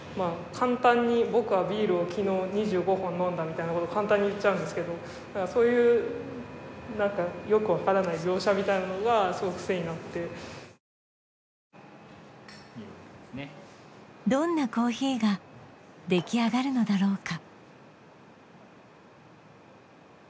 簡単に「僕はビールを昨日２５本飲んだ」みたいなことを簡単に言っちゃうんですけどそういう何かよく分からない描写みたいなのがすごい癖になってどんなコーヒーができあがるのだろうか？